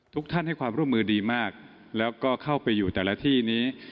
ทุกท่านให้ความร่วมมือดีมากแล้วก็เข้าไปอยู่แต่ละที่นี้